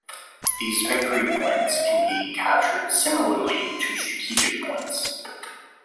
These victory points can be captured similarly to strategic points.